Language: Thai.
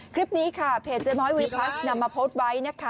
คลิปนี้ค่ะเพจเจ๊น้อยวีพลัสนำมาโพสต์ไว้นะคะ